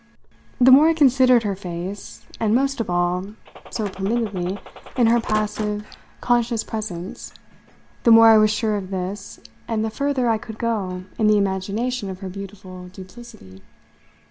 The more I considered her face and most of all, so permittedly, in her passive, conscious presence the more I was sure of this and the further I could go in the imagination of her beautiful duplicity.